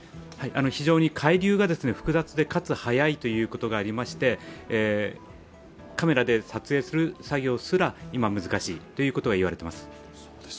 非常に海流が複雑でかつ速いということがありましてカメラで撮影する作業すら、今難しいと言われています。